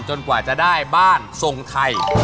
กว่าจะได้บ้านทรงไทย